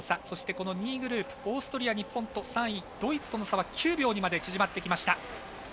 そして２位グループオーストリア、日本と３位、ドイツとの差は９秒にまで縮まってきました。